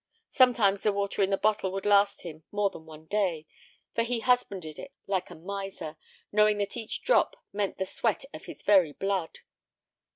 Sometimes the water in the bottle would last him more than one day, for he husbanded it like a miser, knowing that each drop meant the sweat of his very blood.